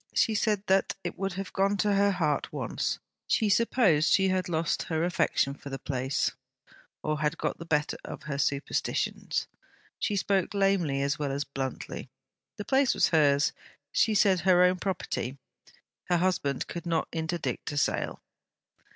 She said that it would have gone to her heart once; she supposed she had lost her affection for the place, or had got the better of her superstitions. She spoke lamely as well as bluntly. The place was hers, she said; her own property. Her husband could not interdict a sale.